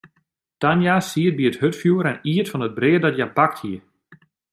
Tania siet by it hurdfjoer en iet fan it brea dat hja bakt hie.